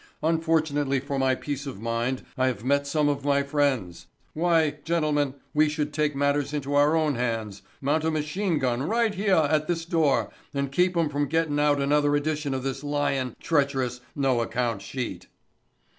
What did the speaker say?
"Unfortunately for my peace of mind I have met some of my friends. Why, gentlemen, we should take matters into our own hands, mount a machine gun right heah at this door and keep 'em from gettin' out another edition of this lyin', treachous, no account sheet."